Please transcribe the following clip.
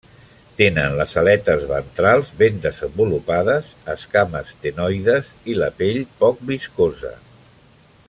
Tenen les aletes ventrals ben desenvolupades, escames ctenoides i la pell poc viscosa.